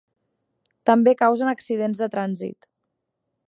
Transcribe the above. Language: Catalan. També causen accidents de trànsit.